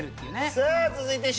さあ続いてＣ。